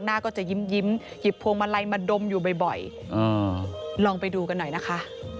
หน้าก็จะยิ้มหยิบพวงมาลัยมาดมอยู่บ่อยลองไปดูกันหน่อยนะคะ